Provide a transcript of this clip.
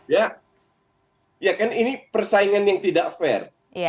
ya kan ini persaingan yang tidak fair